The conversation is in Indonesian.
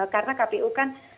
karena kpu kan